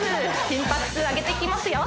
心拍数上げてきますよ